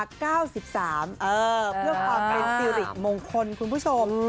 เพื่อความเป็นสิริมงคลคุณผู้ชม